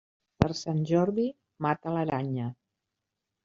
Per Sant Jordi, mata l'aranya.